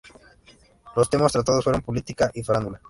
Los temas tratados fueron política y farándula.